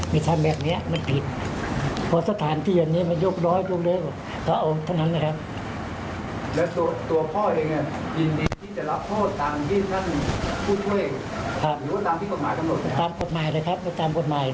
แล้วอยากจะบอกผู้ปกครองคนอื่นยังไงบ้างถ้าเราเองต้องเรียกร้องอย่างนี้